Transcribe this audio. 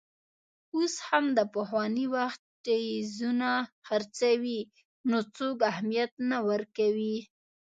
اوس هم د پخواني وخت ټیزونه خرڅوي، خو څوک اهمیت نه ورکوي.